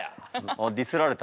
・あっディスられた。